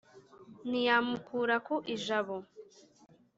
ntiyamukura ku ijabo.